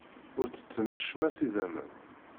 Ur ttettem acemma s idammen.